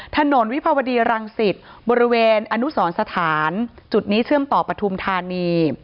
ถนนวิภาวดีรังสิตบริเวณอนุสรสถานจุดนี้เชื่อมต่อปฐุมธานี